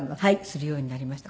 するようになりました